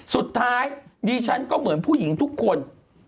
สุดท้ายดิฉันก็เหมือนผู้หญิงทุกคน